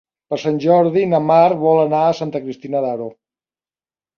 Per Sant Jordi na Mar vol anar a Santa Cristina d'Aro.